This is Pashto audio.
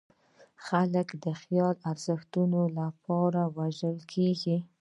خلک د خیالي ارزښتونو لپاره وژل کېږي.